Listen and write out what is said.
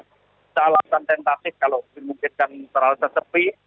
kita alasan tentatif kalau mungkin kan terlalu sesepi